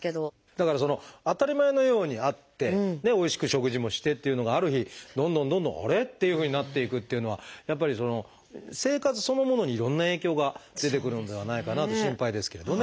だから当たり前のようにあっておいしく食事もしてっていうのがある日どんどんどんどんあれ？っていうふうになっていくっていうのはやっぱり生活そのものにいろんな影響が出てくるのではないかなと心配ですけれどね。